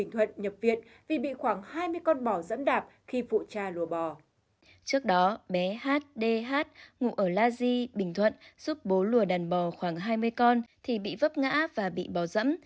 trước đó bé h d h ngủ ở la di bình thuận giúp bố lùa đàn bò khoảng hai mươi con thì bị vấp ngã và bị bò rẫm